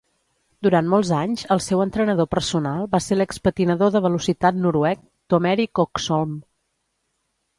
Durant molts anys, el seu entrenador personal va ser l'expatinador de velocitat noruec Tom Erik Oxholm.